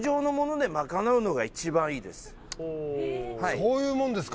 そういうもんですか？